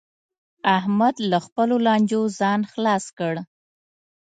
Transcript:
احمد له خپلو لانجو ځان خلاص کړ